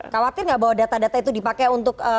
khawatir nggak bahwa data data itu dipakai untuk